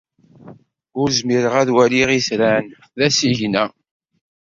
Ur zmireɣ ad waliɣ itran. D asigna.